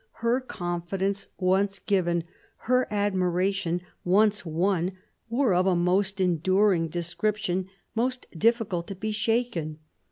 Her con fidence once given, her admiration once won, were of a most enduring description, most difficult to be shaken.